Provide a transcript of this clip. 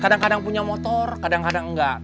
kadang kadang punya motor kadang kadang enggak